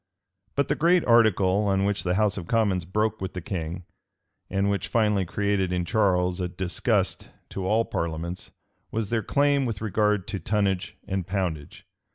But the great article on which the house of commons broke with the king, and which finally created in Charles a disgust to all parliaments, was their claim with regard to tonnage and poundage.